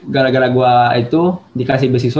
gara gara gua itu dikasih bisniswa